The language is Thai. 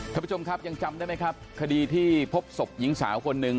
ท่านผู้ชมครับยังจำได้ไหมครับคดีที่พบศพหญิงสาวคนหนึ่ง